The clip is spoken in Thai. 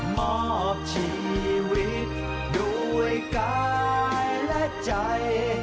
มอบชีวิตด้วยกายและใจ